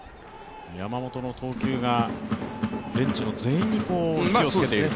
山本の投球がベンチの全員に火をつけていると。